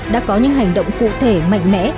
đã làm động cụ thể mạnh mẽ